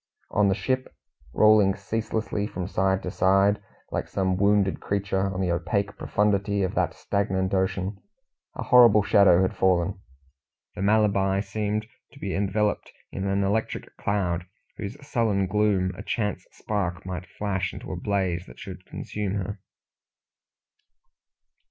On the ship rolling ceaselessly from side to side, like some wounded creature, on the opaque profundity of that stagnant ocean a horrible shadow had fallen. The Malabar seemed to be enveloped in an electric cloud, whose sullen gloom a chance spark might flash into a blaze that should consume her.